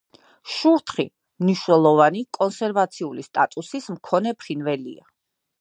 შურთხი მნიშვნელოვანი კონსერვაციული სტატუსის მქონე ფრინველია.